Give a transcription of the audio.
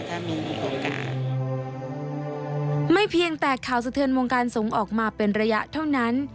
ถ้ามีโอกาสไม่เพียงแต่ข่าวสะเทือนวงการสงฆ์ออกมาเป็นระยะเท่านั้น